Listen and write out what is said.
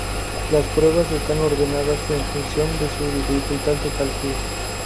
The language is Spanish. Las pruebas están ordenadas en función de su dificultad de cálculo.